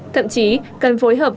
thậm chí cần phối hợp